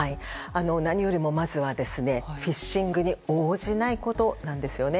何よりもまずはフィッシングに応じないことです。